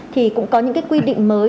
thì cũng có những cái quy định mới